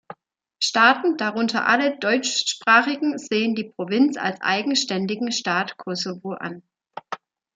Staaten, darunter alle deutschsprachigen, sehen die Provinz als eigenständigen Staat Kosovo an.